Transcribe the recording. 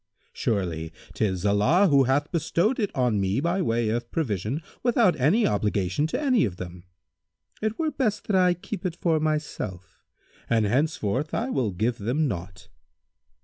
Surely, 'tis Allah who hath bestowed it on me by way of provision without any obligation to any of them. It were best that I keep it for myself, and henceforth I will give them naught."